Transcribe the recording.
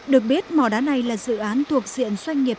được biết mò đá này là dự án thuộc diện doanh nghiệp